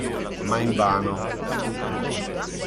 Ma invano.